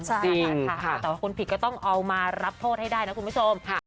ใช่ค่ะแต่ว่าคนผิดก็ต้องเอามารับโทษให้ได้นะคุณผู้ชม